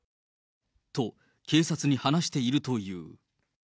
と、警察に話しているという。